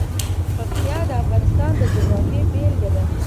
پکتیا د افغانستان د جغرافیې بېلګه ده.